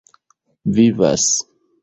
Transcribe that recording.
vivas